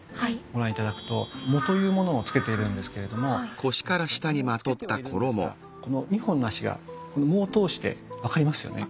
ご覧頂くと裳というものを着けているんですけれども裳を着けてはいるんですがこの２本の脚が裳を通して分かりますよね。